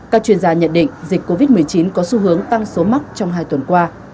các chuyên gia nhận định dịch covid một mươi chín có xu hướng tăng số mắc trong hai tuần qua